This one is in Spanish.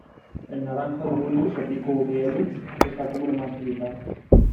El Naranjo de Bulnes o Pico Urriellu es la cumbre más visitada